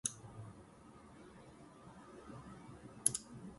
The viaduct is known as the "bridge of suicides".